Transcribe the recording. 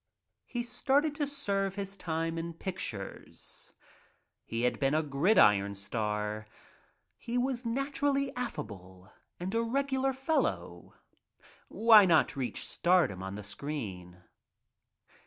He started to serve his time In pictures. He had a gridiron star. He was naturally affable and a regular fellow. Why not reach stardom on the screen?